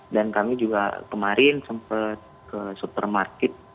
dan kami juga kemarin sempat ke supermarket